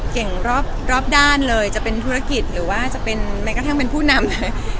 รอบด้านเลยจะเป็นธุรกิจหรือว่าจะเป็นแม้กระทั่งเป็นผู้นำ